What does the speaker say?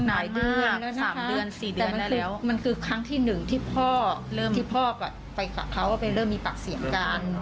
หายเดือนแล้วนะคะแต่มันคือครั้งที่หนึ่งที่พ่อไปกับเขาเริ่มมีปากเสียงกัน